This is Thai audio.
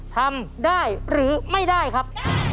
ทำได้หรือไม่ได้ครับ